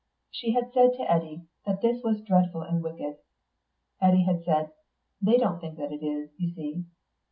She had said to Eddy that this was dreadful and wicked. Eddy had said, "They don't think it is, you see."